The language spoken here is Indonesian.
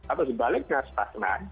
atau sebaliknya spasman